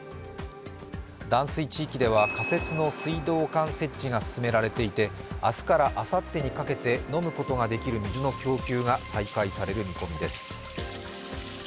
断水地域では仮設の水道管設置が進められていて明日からあさってにかけて飲むことができる水の供給が再開される見込みです。